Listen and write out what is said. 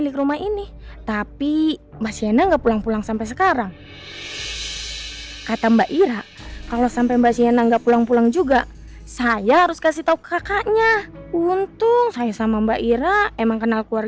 kalau kamu cinta sama aku